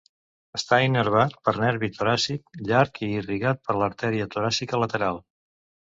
Està innervat per nervi toràcic llarg i irrigat per l'artèria toràcica lateral.